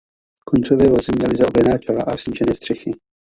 Koncové vozy měly zaoblená čela a snížené střechy.